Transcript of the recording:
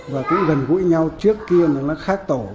và cũng gần gũi nhau trước kia thì nó khác tổ